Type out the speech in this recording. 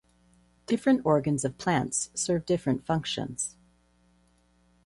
Different organs of plants serve different functions.